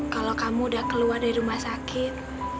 kalau kamu udah keluar dari rumah sakit